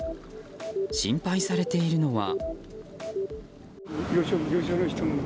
心配されているのは。